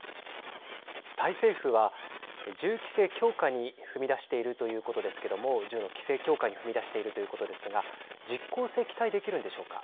タイ政府は、銃規制強化に踏み出しているということですけども銃の規制強化に踏み出しているということですが実効性期待できるんでしょうか。